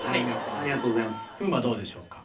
風磨どうでしょうか？